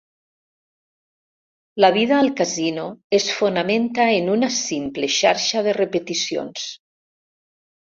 La vida al casino es fonamenta en una simple xarxa de repeticions.